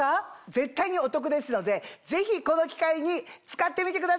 絶対にお得ですのでぜひこの機会に使ってみてください。